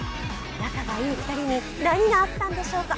仲がいい２人に何があったんでしょうか。